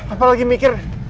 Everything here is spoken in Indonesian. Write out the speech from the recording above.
apa lagi mikir